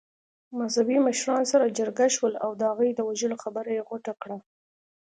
مذهبي مشران سره جرګه شول او د هغې د وژلو خبره يې غوټه کړه.